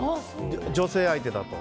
女性相手だと。